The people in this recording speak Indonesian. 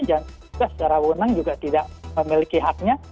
dan juga secara unang juga tidak memiliki haknya